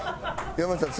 山内さん